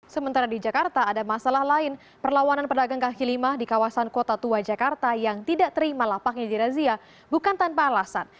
sementara di jakarta ada masalah lain perlawanan pedagang kaki lima di kawasan kota tua jakarta yang tidak terima lapaknya di razia bukan tanpa alasan